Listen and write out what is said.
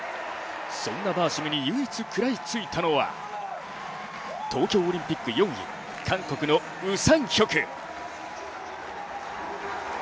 そんなバーシムに唯一食らいついたのは、東京オリンピック４位、韓国のウ・サンヒョク。